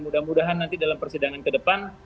mudah mudahan nanti dalam persidangan ke depan